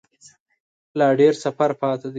لا ډیر سفر پاته دی